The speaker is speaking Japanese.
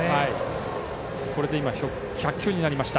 これで１００球になりました。